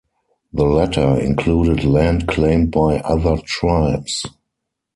The latter included land claimed by other tribes.